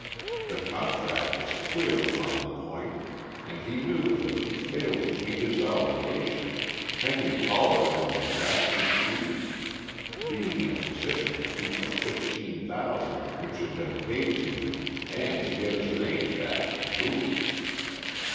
The contract was clear upon the point, and he knew that if he failed to meet his obligation Henry Pollard would be vastly pleased, being in a position to keep the fifteen thousand which had been paid to him and to get his range back to boot.